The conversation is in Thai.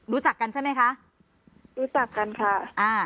รู้จักกันใช่ไหมคะรู้จักกันค่ะอ่า